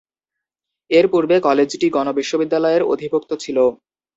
এর পূর্বে কলেজটি গণ বিশ্ববিদ্যালয়ের অধিভুক্ত ছিল।